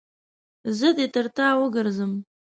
زه دې تر تا وګرځم.